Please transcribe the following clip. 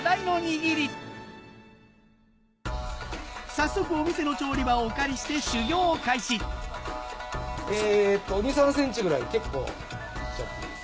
早速お店の調理場をお借りしてえっと２３ｃｍぐらい結構行っちゃっていいです。